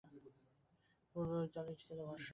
পূর্বে ঐ জলই ছিল ভরসা।